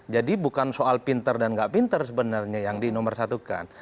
jadi bukan soal pinter dan nggak pinter sebenarnya yang dinomorsatukan